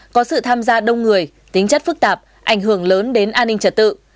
có sự tham gia đông người tính chất phức tạp ảnh hưởng lớn đến an ninh trật tự